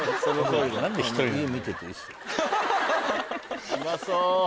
うまそう。